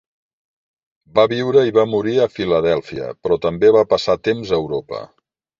Va viure i va morir a Filadèlfia, però també va passar temps a Europa.